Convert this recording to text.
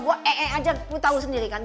gue e e aja lu tau sendiri kan